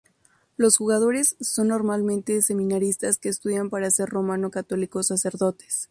Los jugadores son normalmente seminaristas que estudian para ser romano católicos sacerdotes.